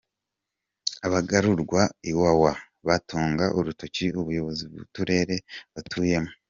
Abagarurwa Iwawa batunga urutoki Ubuyobozi b’uturere batuyemo.